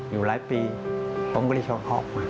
อยู่หลายปีผมก็ได้ชอบหอบมา